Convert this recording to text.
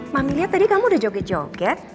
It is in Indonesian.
mami lihat tadi kamu udah joget joget